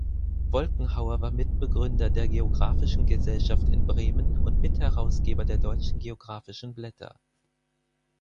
Wolkenhauer war Mitbegründer der Geographischen Gesellschaft in Bremen und Mitherausgeber der Deutschen Geographischen Blätter.